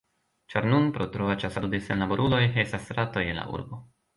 Ĉar nun, pro troa ĉasado de senlaboruloj, estas ratoj en la urbo.